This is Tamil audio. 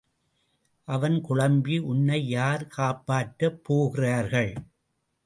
அவன் குழம்பி உன்னை யார் காப்பாற்றப் போகிறார்கள்?